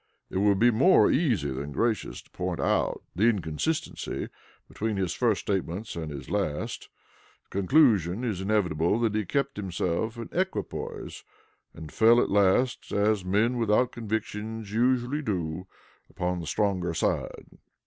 It would be more easy than gracious to point out the inconsistency between his first statements and this last. The conclusion is inevitable that he kept himself in equipoise, and fell at last, as men without convictions usually do, upon the stronger side.